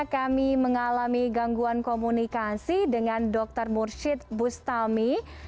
kami mengalami gangguan komunikasi dengan dr mursyid bustami